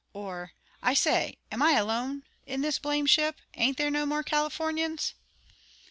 or, "I say, am I alone in this blame' ship? Ain't there no more Californians?"